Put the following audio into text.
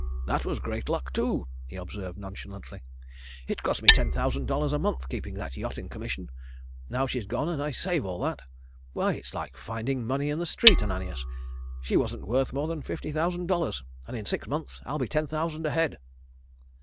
"That was great luck too," he observed nonchalantly. "It cost me ten thousand dollars a month keeping that yacht in commission. Now she's gone I save all that. Why it's like finding money in the street, Ananias. She wasn't worth more than fifty thousand dollars, and in six months I'll be ten thousand ahead."